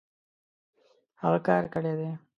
هغۀ کار کړی دی